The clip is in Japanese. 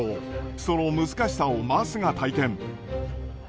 その難しさを桝が体験。